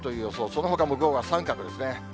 そのほかも午後は三角ですね。